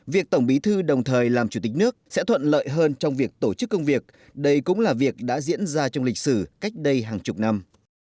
việc tổng bí thư đồng thời làm chủ tịch nước sẽ thuận lợi hơn trong việc tổ chức công việc đây cũng là việc đã diễn ra trong lịch sử cách đây hàng chục năm